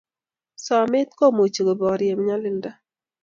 somet komuchi koborie nyalilda